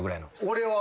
俺は。